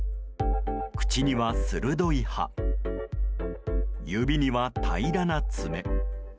口には鋭い歯指には平らな爪。